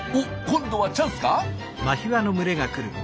今度はチャンスか？